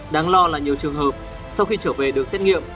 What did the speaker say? đáng lo là nhiều trường hợp sau khi trở về được xét nghiệm